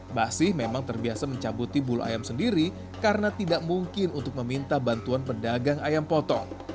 mbah sih memang terbiasa mencabuti bulu ayam sendiri karena tidak mungkin untuk meminta bantuan pedagang ayam potong